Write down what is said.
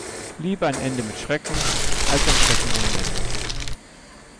Lieber ein Ende mit Schrecken als ein Schrecken ohne Ende.